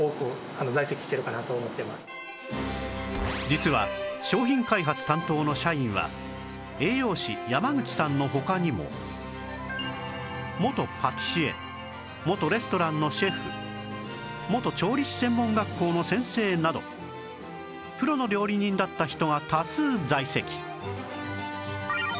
実は商品開発担当の社員は栄養士山口さんの他にも元パティシエ元レストランのシェフ元調理師専門学校の先生などプロの料理人だった人が多数在籍